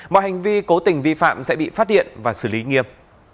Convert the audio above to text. mọi hành vi cố tình vi phạm sẽ bị phát hiện và xử lý nghiêm